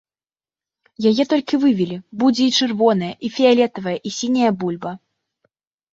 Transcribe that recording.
Яе толькі вывелі, будзе і чырвоная, і фіялетавая, і сіняя бульба.